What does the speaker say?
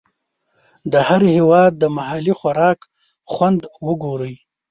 د هر هېواد د محلي خوراک خوند وګورئ.